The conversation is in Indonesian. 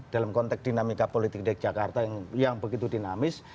dalam konteks dinamika politik dki jakarta yang begitu dinamis